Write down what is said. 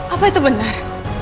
apa itu benar